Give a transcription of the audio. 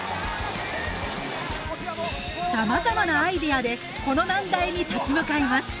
さまざまなアイデアでこの難題に立ち向かいます。